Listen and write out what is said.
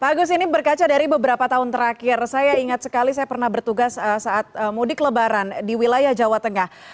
pak agus ini berkaca dari beberapa tahun terakhir saya ingat sekali saya pernah bertugas saat mudik lebaran di wilayah jawa tengah